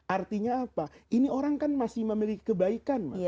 artinya apa ini orang kan masih memiliki kebaikan